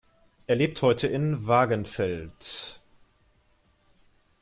Er lebt heute in Wagenfeld.